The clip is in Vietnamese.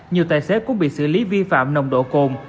nhiều tài xế cũng bị xử lý vi phạm nồng độ cồn